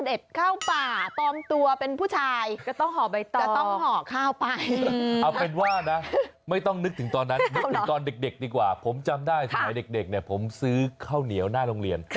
เอาเป็นว่านะไม่ต้องนึกถึงตอนนั้นนึกถึงตอนเด็กดีกว่าผมจำได้สมัยเด็กเนี่ยผมซื้อข้าวเหนียวหน้าโรงเรียน